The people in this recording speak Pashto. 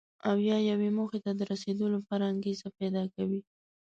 او یا یوې موخې ته د رسېدو لپاره انګېزه پیدا کوي.